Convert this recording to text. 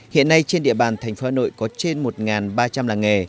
hiện nay trên địa bàn thành phố hà nội có trên một ba trăm linh làng nghề